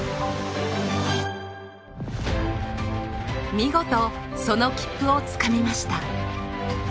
見事その切符をつかみました。